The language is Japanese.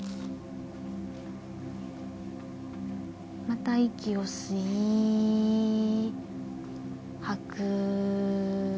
また息を吸い、吐く。